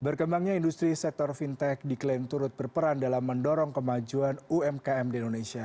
berkembangnya industri sektor fintech diklaim turut berperan dalam mendorong kemajuan umkm di indonesia